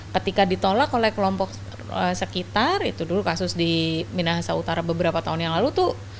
ketika ditolak oleh kelompok sekitar itu dulu kasus di minahasa utara beberapa tahun yang lalu tuh